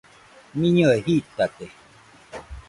Miñɨe jitate.